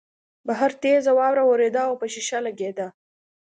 بهر تېزه واوره ورېده او په شیشه لګېده